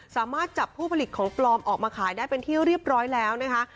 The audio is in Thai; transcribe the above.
สามารถจับผู้ผลิตของปลอมออกมาขายได้เป็นที่เรียบร้อยแล้วนะคะ